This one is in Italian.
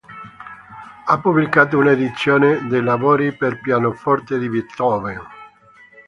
Ha pubblicato una edizione dei lavori per pianoforte di Beethoven.